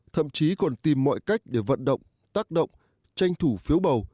thậm chí còn tìm mọi cách để vận động tác động tranh thủ phiếu bầu